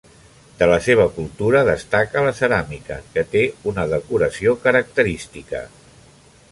De la seva cultura destaca la ceràmica, que té una decoració característica.